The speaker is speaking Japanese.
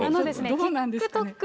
ＴｉｋＴｏｋ